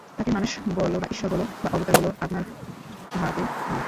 তাঁকে মানুষ বল বা ঈশ্বর বল বা অবতার বল, আপনার আপনার ভাবে নাও।